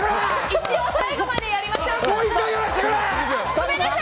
一応最後までやりましょうか。